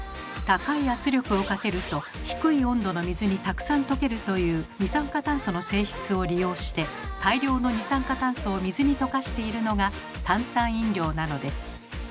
高い圧力をかけると低い温度の水にたくさん溶けるという二酸化炭素の性質を利用して大量の二酸化炭素を水に溶かしているのが炭酸飲料なのです。